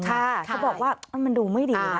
เขาบอกว่ามันดูไม่ดีนะ